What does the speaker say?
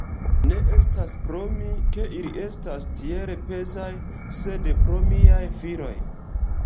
Ne estas pro mi, ke ili estas tiel pezaj, sed pro miaj filoj.